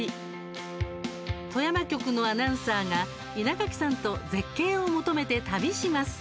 富山局のアナウンサーがイナガキさんと絶景を求めて旅します。